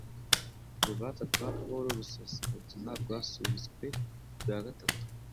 Urubanza rwa Paul Rusesabagina Rwasubitswe bwa Gatatu